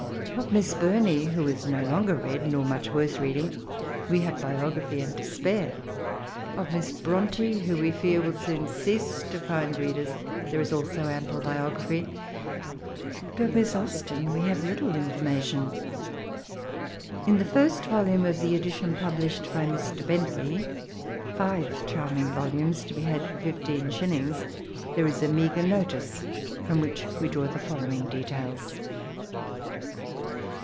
Of Miss Surrey, who is no longer read, I nor much worth reading, we have biography, and to spare. Of Miss • Bronte, who, we fear, will soon cease to find readers, there is also ample biography; but of Miss Austen we have little information. In the first volume of the edition published by Mr. Bentley (five charming volumes, to be had for fifteen shillings^ there is a meagre Dotice, from which we draw the following details.